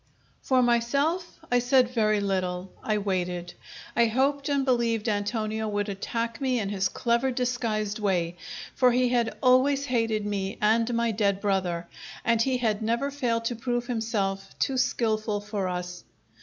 For myself, I said very little I waited. I hoped and believed Antonio would attack me in his clever, disguised way, for he had always hated me and my dead brother, and he had never failed to prove himself too skilful for us.